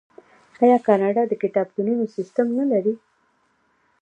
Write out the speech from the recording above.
آیا کاناډا د کتابتونونو سیستم نلري؟